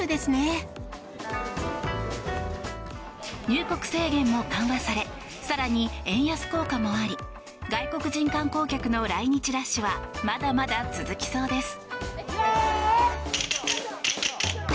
入国制限も緩和され更に、円安効果もあり外国人観光客の来日ラッシュはまだまだ続きそうです。